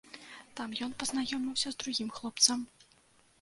Там ён пазнаёміўся з другім хлопцам.